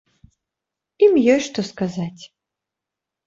Ім ёсць што сказаць.